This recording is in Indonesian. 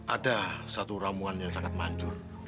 ada satu ramuan yang sangat manjur